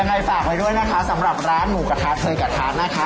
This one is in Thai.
ยังไงฝากไว้ด้วยนะคะสำหรับร้านหมูกระทะเทยกระทะนะคะ